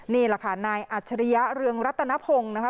นี่แหละค่ะนายอัจฉริยะเรืองรัตนพงศ์นะคะ